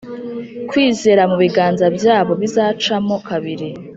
kwizera mu biganza byabo bizacamo kabiri,